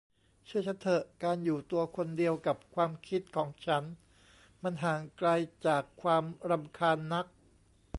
เชื่อฉันเถอะ การอยู่ตัวคนเดียวกับความคิดของฉัน มันห่างไกลจากความรำคาญนัก